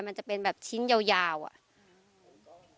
มันจะเป็นแบบชิ้นยาวอะ